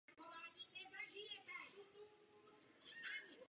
Jihozápadně od vesnice se nachází památkově chráněná zřícenina kostela svatého Václava.